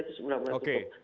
itu semula mula tutup